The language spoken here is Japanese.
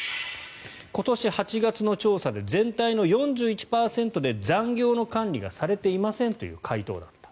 今年８月の調査で全体の４１％で残業の管理がされていませんという回答だった。